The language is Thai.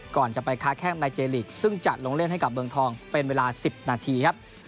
ก่อนจะไปค้าแข้งในเจลีกซึ่งจะลงเล่นให้กับเมืองทองเป็นเวลา๑๐นาทีครับ